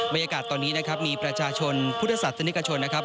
บรรยากาศตอนนี้นะครับมีประชาชนพุทธศาสนิกชนนะครับ